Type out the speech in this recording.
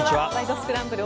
スクランブル」